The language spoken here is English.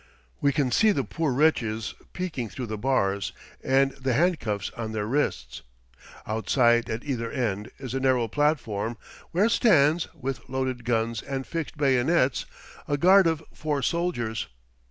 We can see the poor wretches peeping through the bars, and the handcuffs on their wrists. Outside at either end is a narrow platform, where stands, with loaded guns and fixed bayonets, a guard of four soldiers.